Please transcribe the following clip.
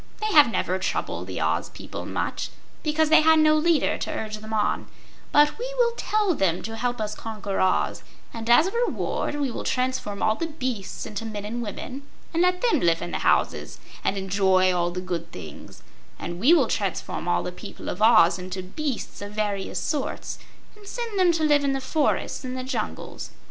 They have never troubled the Oz people much, because they had no leader to urge them on, but we will tell them to help us conquer Oz and as a reward we will transform all the beasts into men and women, and let them live in the houses and enjoy all the good things; and we will transform all the people of Oz into beasts of various sorts, and send them to live in the forests and the jungles.